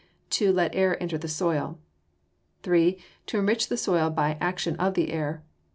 To let air enter the soil. 3. To enrich the soil by the action of the air.